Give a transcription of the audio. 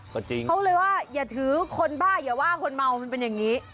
ก็จริงเขาเลยว่าอย่าถือคนบ้าอย่าว่าคนเมามันเป็นอย่างนี้